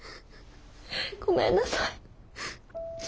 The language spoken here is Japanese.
ごめんなさい。